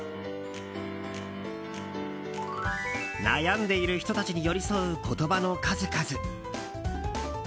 悩んでいる人たちに寄り添う言葉の数々。